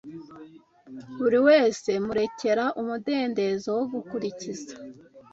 Buri wese murekera umudendezo wo gukurikiza